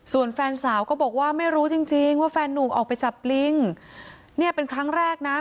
ส่วนแฟนสาวก็บอกว่าไม่รู้จริงจริงว่าแฟนนุ่มออกไปจับลิงเนี่ยเป็นครั้งแรกนะ